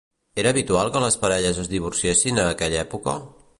Era habitual que les parelles es divorciessin a aquella època?